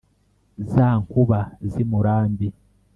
za nkuba z’ i murambi,